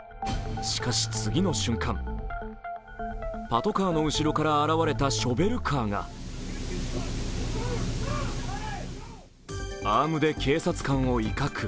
しかし次の瞬間、パトカーの後ろから現れたショベルカーがアームで警察官を威嚇。